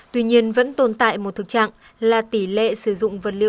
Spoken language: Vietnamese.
tuy nhiên vẫn tồn tại một thực trạng là tỷ lệ sử dụng vật liệu